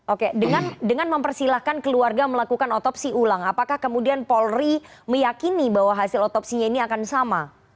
oke dengan mempersilahkan keluarga melakukan otopsi ulang apakah kemudian polri meyakini bahwa hasil otopsinya ini akan sama